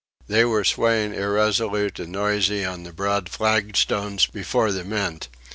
They were swaying irresolute and noisy on the broad flagstones before the Mint.